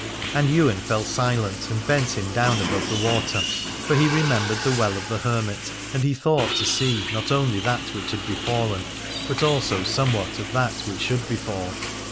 And Ywain fell silent and bent him down above the water, for he remembered the well of the hermit, and he thought to see not only that which had be fallen, but also somewhat of that which should befall.